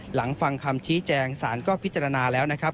หลังฟังคำชี้แจงสารก็พิจารณาแล้วนะครับ